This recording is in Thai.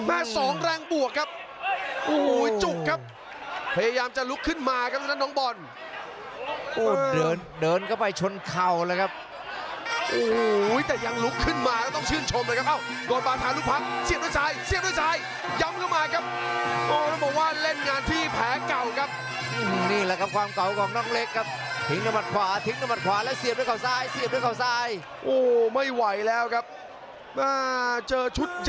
อีกทีอีกทีอีกทีอีกทีอีกทีอีกทีอีกทีอีกทีอีกทีอีกทีอีกทีอีกทีอีกทีอีกทีอีกทีอีกทีอีกทีอีกทีอีกทีอีกทีอีกทีอีกทีอีกทีอีกทีอีกทีอีกทีอีกทีอีกทีอีกทีอีกทีอีกทีอีกทีอีกทีอีกทีอีกทีอีกทีอีกที